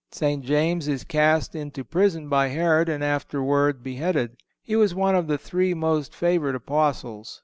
St. James is cast into prison by Herod and afterward beheaded. He was one of the three most favored Apostles.